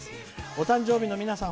お誕生日の皆さん